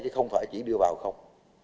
chứ không phải chỉ đưa vào không